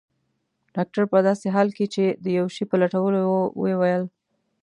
ډاکټر په داسې حال کې چي د یو شي په لټولو وو وویل.